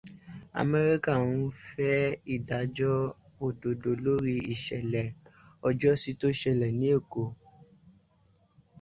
Amẹrika ń fẹ́ ìdájọ́ òdodo lórí ìṣẹ̀lẹ̀ ọjọ́sí tó ṣẹlẹ̀ ní èkó.